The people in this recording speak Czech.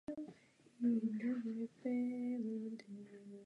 K přechodu k zemědělství tedy docházelo postupně už od doby před klimatickou změnou.